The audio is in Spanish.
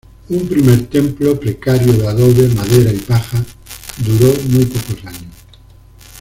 Un primer templo precario de adobe, madera y paja, duró muy pocos años.